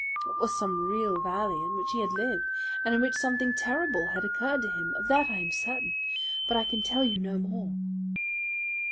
It was some real valley in which he had lived and in which something terrible had occurred to him, of that I am certain; but I can tell you no more."